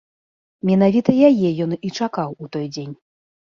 Менавіта яе ён і чакаў у той дзень.